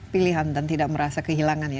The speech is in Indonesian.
pilihan dan tidak merasa kehilangan ya